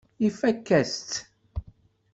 Ifakk-as-tt.